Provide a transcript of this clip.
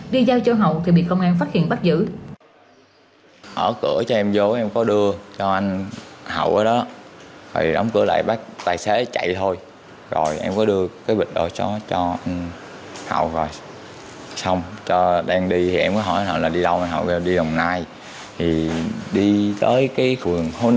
đi giao cho hậu thì bị công an phát hiện bắt giữ